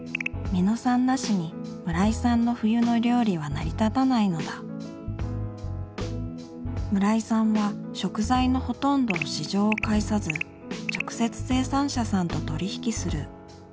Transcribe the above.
三野さんなしに村井さんの冬の料理は成り立たないのだ村井さんは食材のほとんどを市場を介さず直接生産者さんと取り引きする。